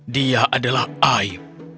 dia adalah ayu